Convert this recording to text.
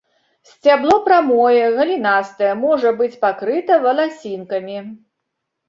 Сцябло прамое, галінастае, можа быць пакрыты валасінкамі.